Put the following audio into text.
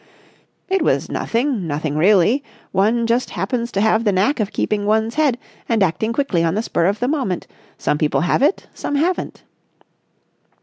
"It was nothing, nothing really. One just happens to have the knack of keeping one's head and acting quickly on the spur of the moment. Some people have it, some haven't."